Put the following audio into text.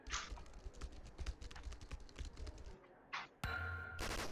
塔皮拉伊是巴西圣保罗州的一个市镇。